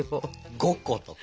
５個とか。